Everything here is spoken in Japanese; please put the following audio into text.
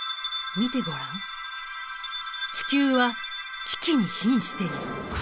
見てごらん地球は危機にひんしている。